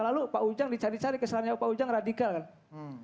lalu pak ujang dicari cari kesalahannya pak ujang radikal kan